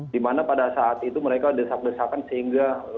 di mana pada saat itu mereka desak desakan sehingga